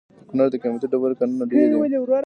د کونړ د قیمتي ډبرو کانونه ډیر دي؟